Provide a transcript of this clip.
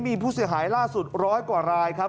มีผู้เสียหายล่าสุดร้อยกว่ารายครับ